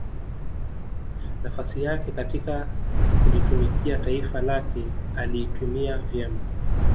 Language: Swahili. nafasi yake katika kulitumikia taifa lake aliitumia vyema